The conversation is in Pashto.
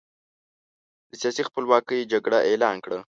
د سیاسي خپلواکۍ جګړه اعلان کړه.